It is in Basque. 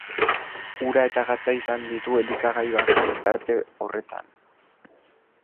Ura eta gatza izan ditu elikagai bakar tarte horretan.